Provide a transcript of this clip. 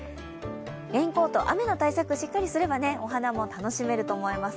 レインコート、雨の対策をしっかりすればお花も楽しめると思います。